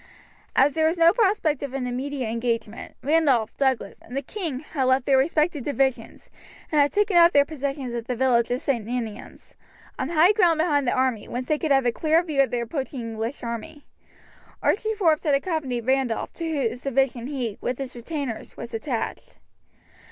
As there was no prospect of an immediate engagement, Randolph, Douglas, and the king had left their respective divisions, and had taken up their positions at the village of St. Ninians, on high ground behind the army, whence they could have a clear view of the approaching English army. Archie Forbes had accompanied Randolph, to whose division he, with his retainers, was attached.